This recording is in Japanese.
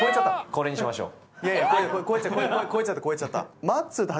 これにしましょう。